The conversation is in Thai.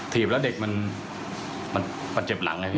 ถีบแล้วเด็กมันเจ็บหลัง